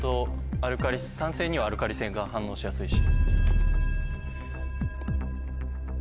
酸性にはアルカリ性が反応しやすいし。